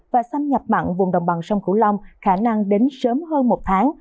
và xâm nhập mặn vùng đồng bằng sông cửu long khả năng đến sớm hơn một tháng